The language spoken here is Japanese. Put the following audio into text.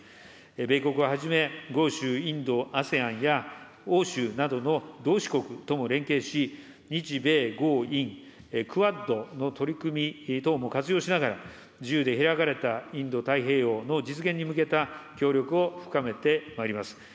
米国はじめ、豪州、インド、ＡＳＥＡＮや、欧州などの同志国とも連携し、日米豪印・ＱＵＡＤの取り組み等も活用しながら、自由で開かれたインド太平洋の実現に向けた協力を深めてまいります。